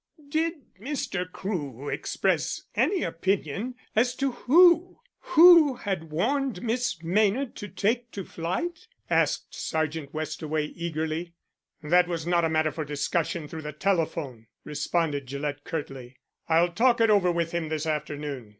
"Did Mr. Crewe express any opinion as to who who had warned Miss Maynard to take to flight?" asked Sergeant Westaway eagerly. "That was not a matter for discussion through the telephone," responded Gillett curtly. "I'll talk it over with him this afternoon.